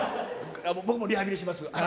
僕もリハビリします。